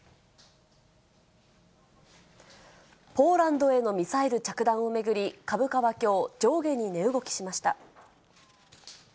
ポーランドへのミサイル着弾を巡り、株価はきょう、上下に値動きしました。